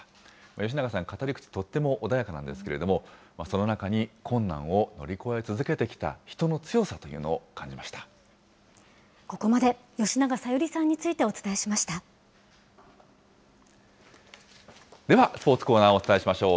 吉永さん、語り口、とっても穏やかなんですけれども、その中に困難を乗り越え続けてきた人の強さここまで、吉永小百合さんにでは、スポーツコーナーをお伝えしましょう。